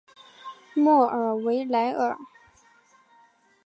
莫尔维莱尔。